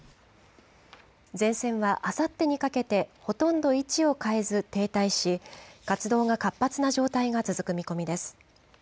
前線はあさってにかけてほとんど位置を変えず停滞し活動が活発な状態が続く見込みです。